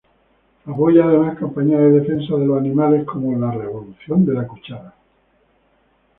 Apoya además campañas de defensa de los animales como "La Revolución de la Cuchara".